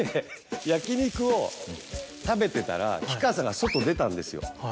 焼肉を食べてたら吉川さんが外出たんですよ。